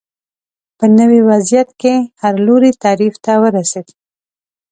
په نوي وضعیت کې هر لوری تعریف ته ورسېد